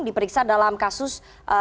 diperiksa dalam kasus